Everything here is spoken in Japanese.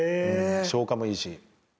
消化もいいし。